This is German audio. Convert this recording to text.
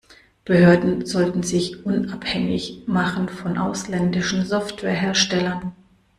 Behörden sollten sich unabhängig machen von ausländischen Software-Herstellern.